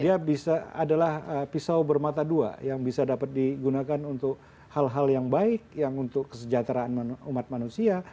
dia bisa adalah pisau bermata dua yang bisa dapat digunakan untuk hal hal yang baik yang untuk kesejahteraan umat manusia